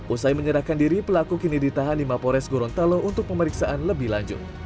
usai menyerahkan diri pelaku kini ditahan di mapores gorontalo untuk pemeriksaan lebih lanjut